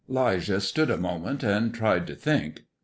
'Lijah stood a moment and tried to think.